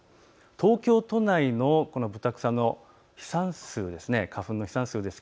東京都内のブタクサの飛散数です。